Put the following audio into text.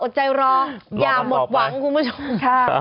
รออดใจรออย่าหมดหวังคุณผู้ชม